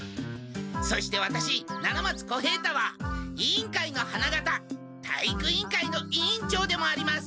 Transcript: そしてワタシ七松小平太は委員会の花形体育委員会の委員長でもあります。